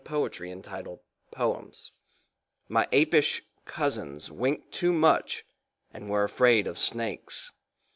POEMS BY MARIANNE MOORE MY APISH COUSINS winked too much and were afraid of snakes.